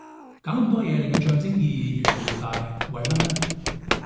搞咁多嘢令佢象徵意義越嚟越大為乜呢